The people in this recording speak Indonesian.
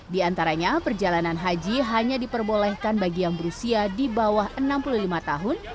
di antaranya perjalanan haji hanya diperbolehkan bagi yang berusia di bawah enam puluh lima tahun